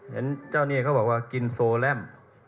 เห็นเจ้านี่เขาบอกว่ากินโซแลม